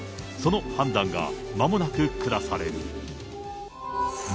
その判断が、まもなく下される。